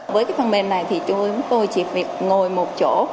với cái phần mềm này thì chúng tôi chỉ việc ngồi một chỗ